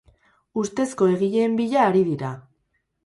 Ustezko egileen bila ari dira.